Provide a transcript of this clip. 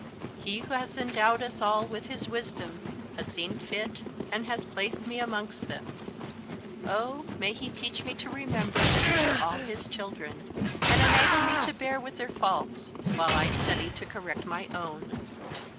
He who has endowed us all as His wisdom has seen fit, and has placed me amongst them, oh, may He teach me to remember that we are all His children, and enable me to bear with their faults, while I study to correct my own."